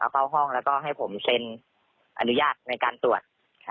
เข้าห้องแล้วก็ให้ผมเซ็นอนุญาตในการตรวจ